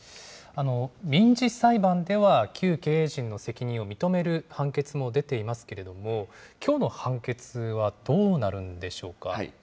民事裁判では、旧経営陣の責任を認める判決も出ていますけれども、きょうの判決はどうなるんでしょうか。